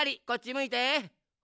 こっちむいて。